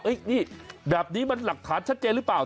นี่แบบนี้มันหลักฐานชัดเจนหรือเปล่า